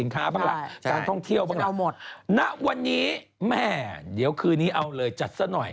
ในวันนี้คืนนี้ก็เอาเลย